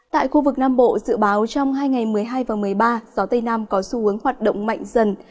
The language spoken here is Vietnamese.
tại khu vực nam bộ dự báo trong hai ngày một mươi hai và một mươi ba gió tây nam có xu hướng hoạt động mạnh dần